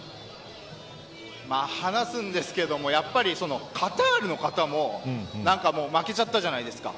話すんですけども、やっぱりカタールの方も負けちゃったじゃないですか。